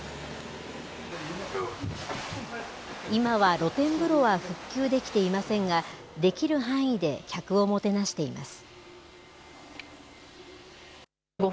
今は露天風呂は復旧できていませんが、できる範囲で客をもてなしています。